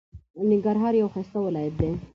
ننګرهار یو ښایسته ولایت دی.